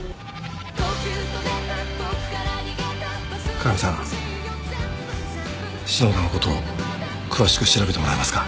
加賀美さん篠田のことを詳しく調べてもらえますか？